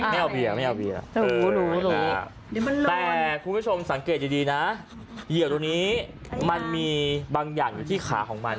ไม่เอาเบียร์ไม่เอาเบียร์แต่คุณผู้ชมสังเกตดีนะเหยื่อตรงนี้มันมีบางอย่างอยู่ที่ขาของมัน